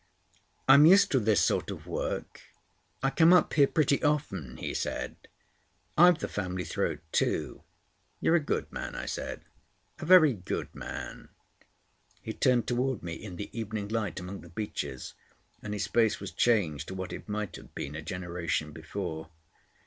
"I'm used to this sort of work. I come up here pretty often," he said. "I've the family throat too." "You're a good man," I said. "A very good man." He turned towards me in the evening light among the beeches, and his face was changed to what it might have been a generation before.